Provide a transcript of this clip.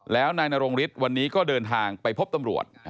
แล้วนายนรงฤทธิ์วันนี้ก็เดินทางไปพบตำรวจ